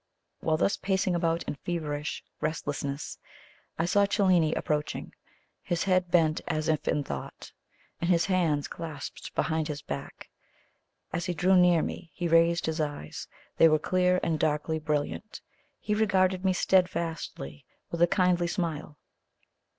While thus pacing about in feverish restlessness, I saw Cellini approaching, his head bent as if in thought, and his hands clasped behind his back. As he drew near me, he raised his eyes they were clear and darkly brilliant he regarded me steadfastly with a kindly smile.